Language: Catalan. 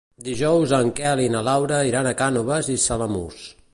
Dijous en Quel i na Laura iran a Cànoves i Samalús.